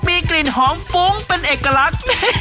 มีกลิ่นหอมฟุ้งเป็นเอกลักษณ์